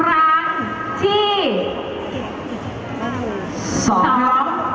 อะไรนะ